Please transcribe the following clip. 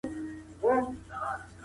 تاریخ موږ ته د راتلونکي درس راکوي.